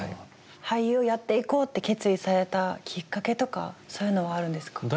俳優をやっていこうって決意されたきっかけとかそういうのはあるんですか？